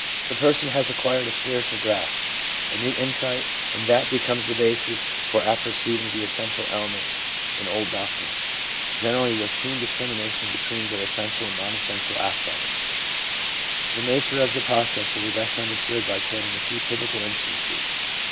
The person has acquired a spiritual grasp, a new insight, and that becomes the basis for apperceiving the essential elements in old ?77 278 THE PSYCHOLOGY OF RELIGION doctrines, generally with keen discrimination between their essential and non essential aspects. The nature of the process will be best understood by quoting a few typical instances.